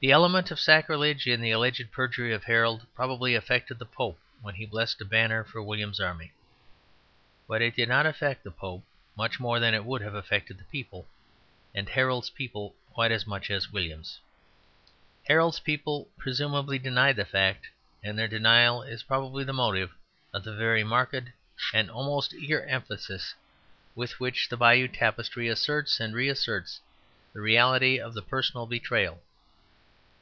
The element of sacrilege in the alleged perjury of Harold probably affected the Pope when he blessed a banner for William's army; but it did not affect the Pope much more than it would have affected the people; and Harold's people quite as much as William's. Harold's people presumably denied the fact; and their denial is probably the motive of the very marked and almost eager emphasis with which the Bayeux Tapestry asserts and reasserts the reality of the personal betrayal.